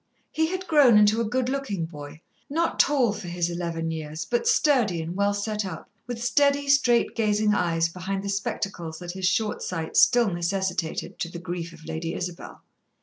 He had grown into a good looking boy, not tall for his eleven years, but sturdy and well set up, with steady, straight gazing eyes behind the spectacles that his short sight still necessitated, to the grief of Lady Isabel.